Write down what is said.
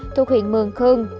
thu huyện mường khương